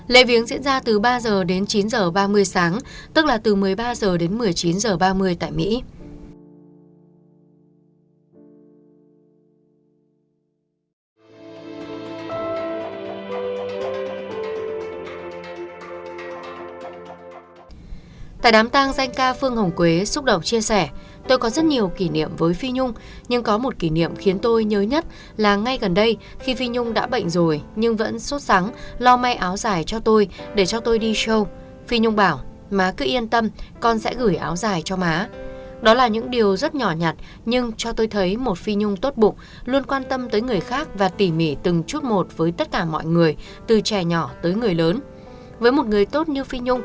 lễ viếng diễn ra từ ba h đến chín h ba mươi sáng tức là từ một mươi ba h đến một mươi chín h ba mươi tại mỹ